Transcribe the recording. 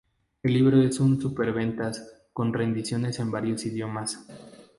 El libro es un superventas, con reediciones en varios idiomas.